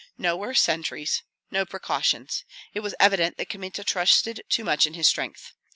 Nowhere sentries, no precautions, it was evident that Kmita trusted too much in his strength.